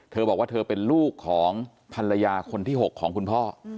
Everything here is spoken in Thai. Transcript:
เธอบอกว่าเธอเป็นลูกของภรรยาคนที่๖ของคุณพ่อ